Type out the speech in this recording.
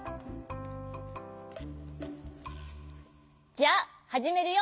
じゃあはじめるよ。